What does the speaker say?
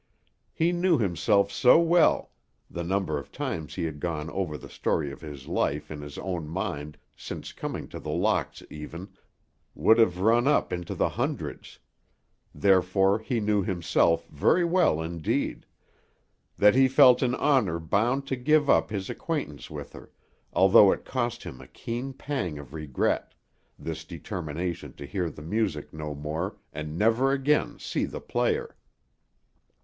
He knew himself so well, the number of times he had gone over the story of his life, in his own mind, since coming to The Locks even, would have run up into the hundreds; therefore he knew himself very well indeed, that he felt in honor bound to give up his acquaintance with her, although it cost him a keen pang of regret, this determination to hear the music no more, and never again see the player.